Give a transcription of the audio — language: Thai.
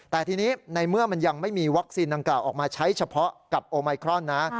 แต่ทีนี้ในเมื่อมันยังไม่มีวัคซีนดังกล่าวออกมาใช้เฉพาะกับโอไมครอนนะ